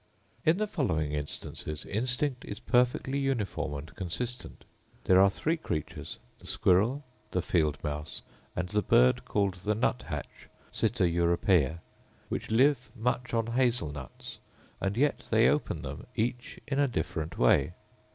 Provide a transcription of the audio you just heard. In the following instances instinct is perfectly uniform and consistent. There are three creatures, the squirrel, the field mouse, and the bird called the nut hatch (sitta Europaea), which live much on hazel nuts; and yet they open them each in a different way.